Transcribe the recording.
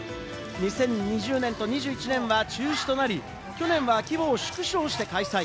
２０２０年と２１年は中止となり、去年は規模を縮小して開催。